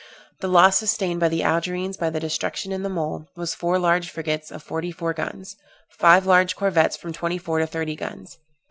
The loss sustained by the Algerines by the destruction in the mole was four large frigates, of forty four guns. Five large corvettes, from twenty four to thirty guns.